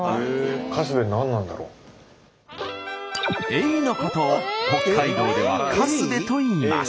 エイのことを北海道では「カスベ」と言います。